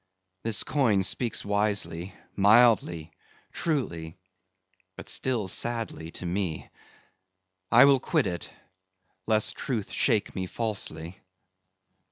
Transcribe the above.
This coin speaks wisely, mildly, truly, but still sadly to me. I will quit it, lest Truth shake me falsely."